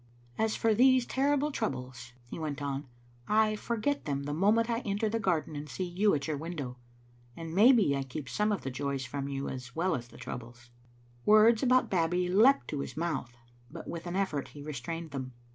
"As for these terrible troubles," he went on, "I for get them the moment I enter the garden and see you at your window. And, maybe, I keep some of the joys from you as well as the troubles." Words about Babbie leaped to his mouth, but with an effort he restrained them.